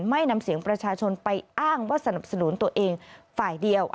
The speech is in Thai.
นำเสียงประชาชนไปอ้างว่าสนับสนุนตัวเองฝ่ายเดียว